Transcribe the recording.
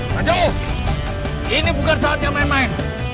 nah jauh ini bukan saatnya main main